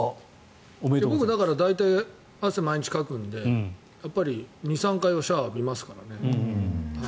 僕は大体毎日汗をかくので２３回はシャワー浴びますからね。